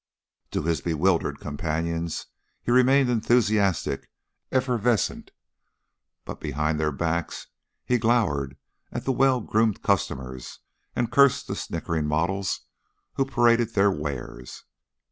To his bewildered companions he remained enthusiastic, effervescent, but behind their backs he glowered at the well groomed customers and cursed the snickering models who paraded their wares.